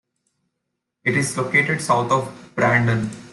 It is located south of Brandon.